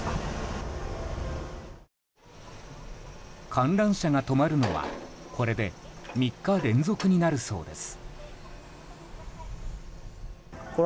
観覧車が止まるのはこれで３日連続になるそうです。